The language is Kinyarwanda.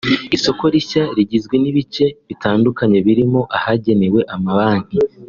Isoko rishya rigizwe n’ibice bitandukanye birimo ahagenewe amabanki